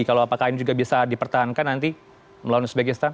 kalau apakah ini juga bisa dipertahankan nanti melalui uzbekistan